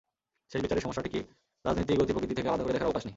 শেষ বিচারে সমস্যাটিকে রাজনীতির গতি-প্রকৃতি থেকে আলাদা করে দেখার অবকাশ নেই।